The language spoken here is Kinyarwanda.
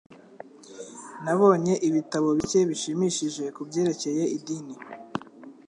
Nabonye ibitabo bike bishimishije kubyerekeye idini.